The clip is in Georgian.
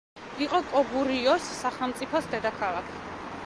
იყო კოგურიოს სახელმწიფოს დედაქალაქი.